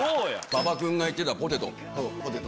馬場君が言ってたポテト。